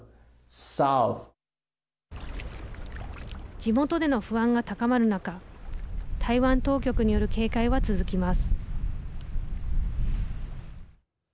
地元での不安が高まる中台湾当局による警戒は続きます。